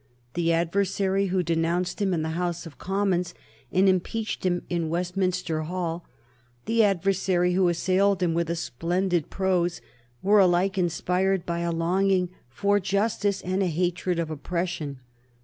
The adversary who denounced him in the House of Commons and impeached him in Westminster Hall, the adversary who assailed him with a splendid prose, were alike inspired by a longing for justice and a hatred of oppression.